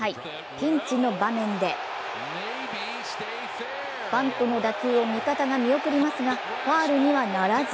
ピンチの場面でバントの打球を味方が見送りますがファウルにはならず。